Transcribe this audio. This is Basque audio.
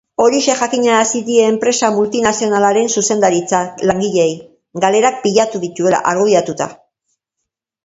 Horixe jakinarazi die enpresa multinazionalaren zuzendaritzak langileei, galerak pilatu dituela argudiatuta.